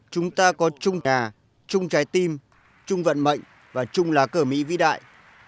chúng ta có chung nhà chung trái tim chung vận mệnh và chung lá cờ mỹ vĩ đại